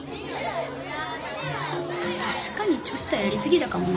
たしかにちょっとやりすぎたかもな。